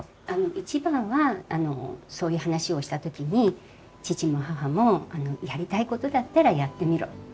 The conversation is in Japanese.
一番はそういう話をした時に義父も義母もやりたいことだったらやってみろって。